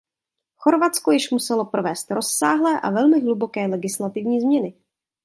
Chorvatsko již muselo provést rozsáhlé a velmi hluboké legislativní změny.